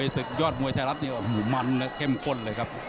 สุดยอดมวยชายรับเนี่ยมันเข้มข้นเลยครับ